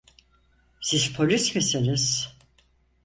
Siz polis misiniz?